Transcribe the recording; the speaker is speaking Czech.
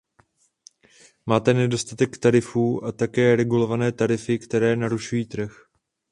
Máme nedostatek tarifů a také regulované tarify, které narušují trh.